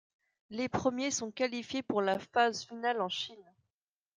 Les premiers sont qualifiés pour la phase finale en Chine.